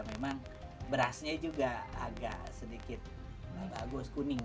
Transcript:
pemerian bansos bagi warga berkebutuhan khusus ini telah ditengarai turut dipangkas